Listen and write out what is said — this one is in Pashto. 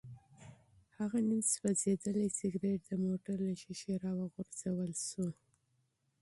هغه نیم سوځېدلی سګرټ د موټر له ښیښې راوغورځول شو.